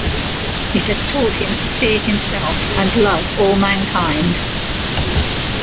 It has taught him to fear himself and love all mankind.